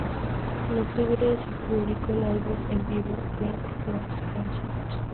En octubre se publicó el álbum en vivo "Beach Boys Concert".